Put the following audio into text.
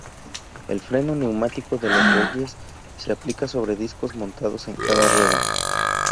El freno neumático de los bogies se aplica sobre discos montados en cada rueda.